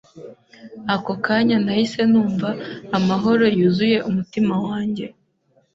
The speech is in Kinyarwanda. ako kanya nahise numva amahoro yuzuye umutima wanjye